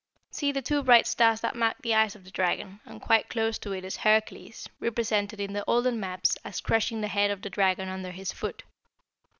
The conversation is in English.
"See the two bright stars that mark the eyes of the Dragon, and quite close to it is Hercules, represented in the olden maps as crushing the head of the dragon under his foot.